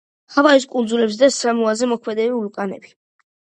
ჰავაის კუნძულებზე და სამოაზე მოქმედებენ ვულკანები.